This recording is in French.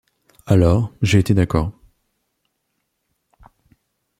Alors j’ai été d’accord.